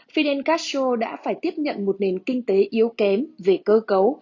fidel castro đã phải tiếp nhận một nền kinh tế yếu kém về cơ cấu